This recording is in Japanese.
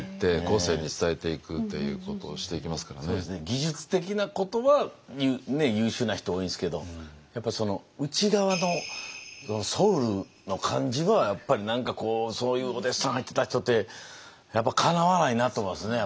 技術的なことは優秀な人多いんですけどやっぱその内側のソウルの感じはやっぱり何かこうそういうお弟子さん入ってた人ってやっぱかなわないなと思いますね。